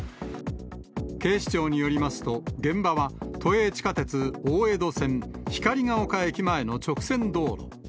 警視庁によりますと、現場は都営地下鉄大江戸線光が丘駅前の直線道路。